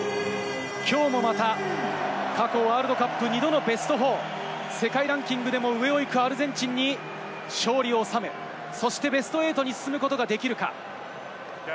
きょうもまた、過去ワールドカップ２度のベスト４、世界ランキングでも上を行くアルゼンチンに勝利を収め、そして、ベスト８に進むことができるか？